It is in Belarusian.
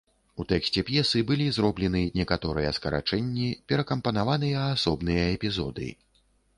У тэксце п'есы былі зроблены некаторыя скарачэнні, перакампанаваныя асобныя эпізоды.